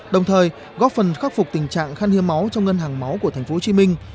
đồng thời góp phần khắc phục tình trạng khăn hiên máu trong ngân hàng máu của thành phố hồ chí minh